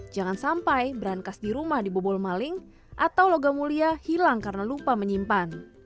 jangan sampai berangkas di rumah dibobol maling atau logam mulia hilang karena lupa menyimpan